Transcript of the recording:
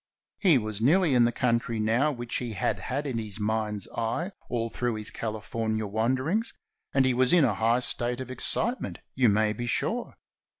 He was nearly in the country now which he had had in his mind's eye all through his California wanderings, and he was in a high state of excitement, you may be sure.